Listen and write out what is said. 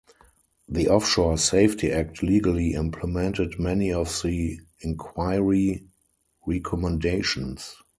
The Offshore Safety Act legally implemented many of the Inquiry recommendations.